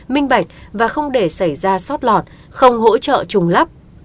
minh bạch và không để xảy ra sót lọt không hỗ trợ trùng lắp